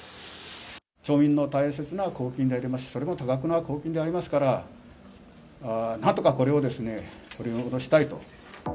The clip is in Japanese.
町民の大切な公金でありますし、それも多額な公金でありますから、なんとかこれを取り戻したいと。